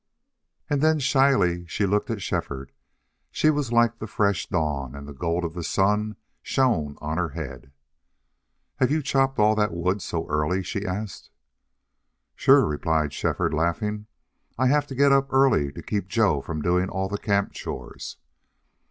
And then shyly she looked at Shefford. She was like the fresh dawn, and the gold of the sun shone on her head. "Have you chopped all that wood so early?" she asked. "Sure," replied Shefford, laughing. "I have to get up early to keep Joe from doing all the camp chores."